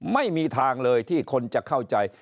ไม่มีทางเลยที่คนจะเข้าใจ